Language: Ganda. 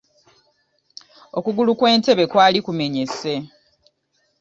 Okugulu kw'entebe kwali kumenyese